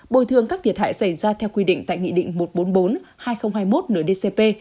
bồi thường các thiệt hại xảy ra theo quy định tại nghị định một trăm bốn mươi bốn hai nghìn hai mươi một nửa dcp